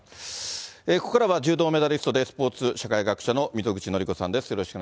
ここからは、柔道メダリストで、スポーツ社会学者の溝口のりこさんです。